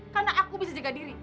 karena aku bisa jaga diri